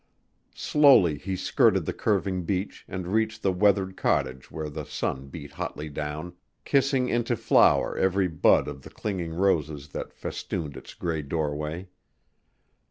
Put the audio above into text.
Slowly he skirted the curving beach and reached the weathered cottage where the sun beat hotly down, kissing into flower every bud of the clinging roses that festooned its gray doorway.